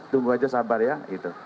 tunggu aja sabar ya itu